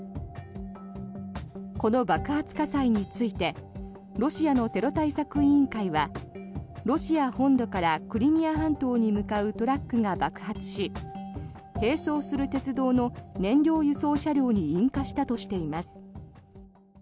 この爆発火災についてロシアのテロ対策委員会はロシア本土からクリミア半島に向かうトラックが爆発し並走する鉄道の燃料輸送車両に引火したとしています。